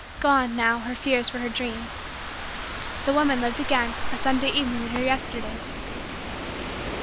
Gone, now, her fears for her dreams. The woman lived again a Sunday evening in her Yesterdays.